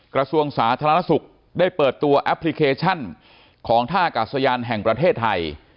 กระทรวงสาธารณสุขได้เปิดตัวแอปพลิเคชันของท่ากาศยานแห่งประเทศไทย